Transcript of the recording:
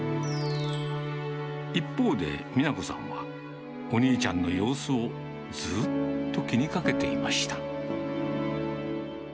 一方で、美名子さんは、お兄ちゃんの様子をずっと気にかけていました。